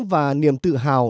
và niềm tự hào